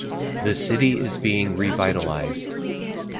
The city is being revitalized.